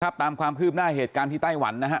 ตามความคืบหน้าเหตุการณ์ที่ไต้หวันนะฮะ